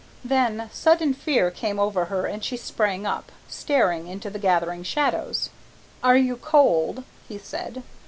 Then sudden fear came over her and she sprang up, staring into the gathering shadows. "Are you cold?" he said.